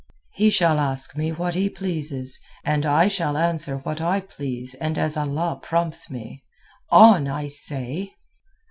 "He shall ask me what he pleases, and I shall answer what I please and as Allah prompts me. On, I say!"